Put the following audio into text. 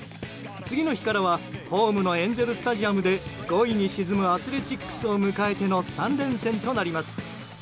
次の日からはホームのエンゼル・スタジアムで５位に沈むアスレチックスを迎えての３連戦となります。